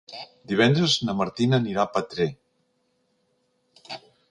Divendres na Martina anirà a Petrer.